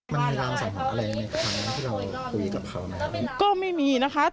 มันมีภาพสัมพาทแรงในข้อที่เราคุยกับเขามากมั้ย